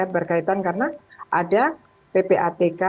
berkaitan karena ada ppatk